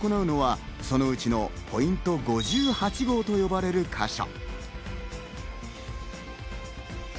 この日行うのは、そのうちのポイント５８号と呼ばれるか所。